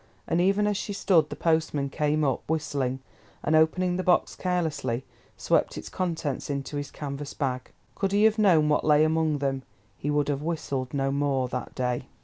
And even as she stood the postman came up, whistling, and opening the box carelessly swept its contents into his canvas bag. Could he have known what lay among them he would have whistled no more that day.